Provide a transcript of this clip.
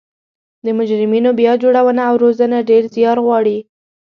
د مجرمینو بیا جوړونه او روزنه ډیر ځیار غواړي